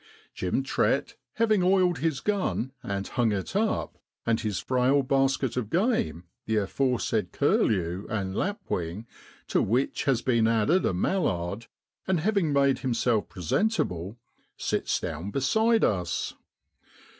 Jim Trett, having oiled his gun and hung it up, and his frail basket of game, the aforesaid curlew and lapwing, to which has been added a mallard, and having made himself presentable, sits down beside us.